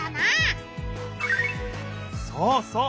そうそう！